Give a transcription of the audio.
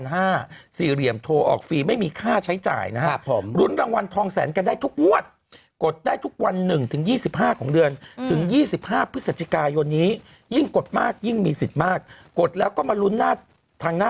ไม่เหรอมันไม่ใช่แค่ดวงเดียวต้องมีความรู้นะ